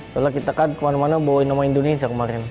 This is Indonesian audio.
soalnya kita kan kemana mana bawain nama indonesia kemarin